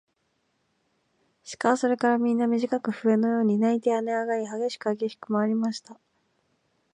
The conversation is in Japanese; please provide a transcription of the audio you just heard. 鹿はそれからみんな、みじかく笛のように鳴いてはねあがり、はげしくはげしくまわりました。